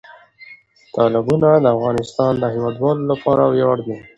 تالابونه د افغانستان د هیوادوالو لپاره ویاړ دی.